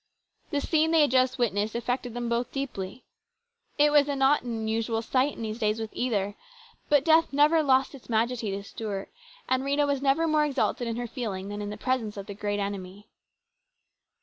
The scene they had just witnessed affected them both deeply. It was not an unusual sight in these days with either, but death never lost its majesty to Stuart, and Rhena was never more exalted in her feeling than in the presence of the great enemy.